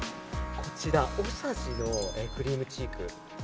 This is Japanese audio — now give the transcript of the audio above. こちらＯＳＡＪＩのクリームチーク。